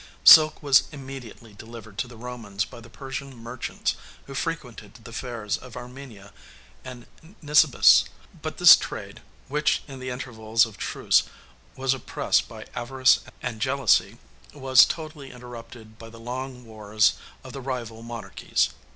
Silk was immediately delivered to the Romans by the Persian merchants who frequented the fairs of Armenia and Nisibis; but this trade, which in the intervals of truce was oppressed by avarice and jealousy, was totally interrupted by the long wars of the rival monarchies.